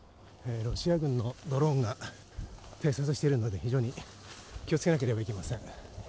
ロシア軍のドローンが偵察しているので、非常に気をつけなければいけません。